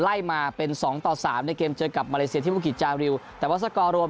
ไล่มาเป็นสองต่อสามในเกมเจอกับมาเลเซียที่บุกิจจาริวแต่ว่าสกอร์รวม